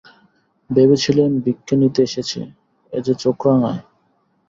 ভেবেছিলেম ভিক্ষে নিতে এসেছে, এ যে চোখ রাঙায়।